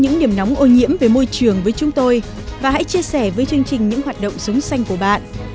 những điểm nóng ô nhiễm về môi trường với chúng tôi và hãy chia sẻ với chương trình những hoạt động sống xanh của bạn